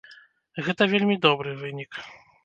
Гэта вельмі добры вынік.